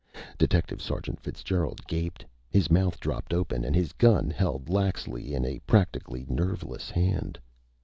Detective Sergeant Fitzgerald gaped, his mouth dropped open and his gun held laxly in a practically nerveless hand.